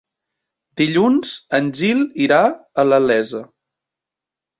Dilluns en Gil irà a la Iessa.